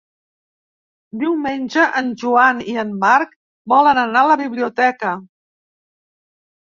Diumenge en Joan i en Marc volen anar a la biblioteca.